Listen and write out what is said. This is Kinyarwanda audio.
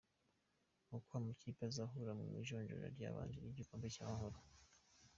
Uko amakipe azahura mu ijonjora ry’ibanze ry’igikombe cy’Amahoro